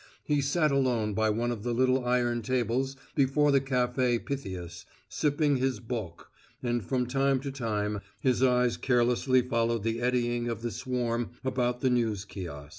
He sat alone by one of the little iron tables before the Café Pytheas, sipping his boc, and from time to time his eyes carelessly followed the eddying of the swarm about the news kiosk.